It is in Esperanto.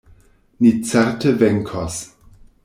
Ni certe venkos!